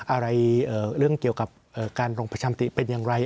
อะไรเรื่องเกี่ยวกับการลงประชามติเป็นอย่างไร